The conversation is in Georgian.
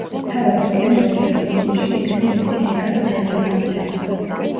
თავად როკ-ენ-როლი არგენტინაში თითქმის ერთი დეკადით ადრე განვითარდა.